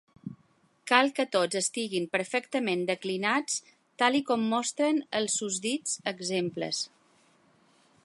Cal que tots estiguin perfectament declinats tal i com mostren els susdits exemples.